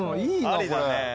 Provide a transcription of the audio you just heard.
ありだね。